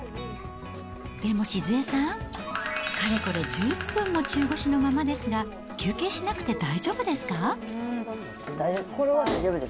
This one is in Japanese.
でも静恵さん、かれこれ１０分も中腰のままですが、休憩しなくて大丈夫ですか？